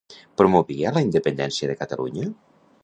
Promovia la independència de Catalunya?